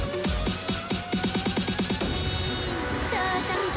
โอ๊ยอะไรมันจะ